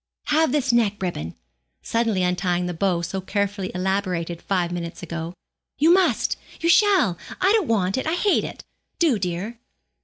Have this neck ribbon,' suddenly untying the bow so carefully elaborated five minutes ago. 'You must, you shall; I don't want it; I hate it. Do, dear.'